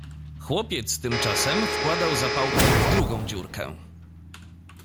Chłopiec tymczasem wkładał zapałkę w drugą dziurkę.